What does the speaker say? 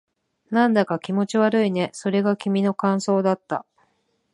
なんだか気持ち悪いね。それが君の感想だった。